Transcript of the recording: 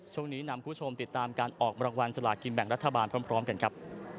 ช่วงนี้นำคุณผู้ชมติดตามการออกรางวัลสลากินแบ่งรัฐบาลพร้อมกันครับ